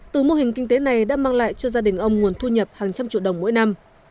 từ mô hình kinh tế này đã mang lại cho gia đình ông nguồn thu nhập hàng trăm triệu đồng mỗi năm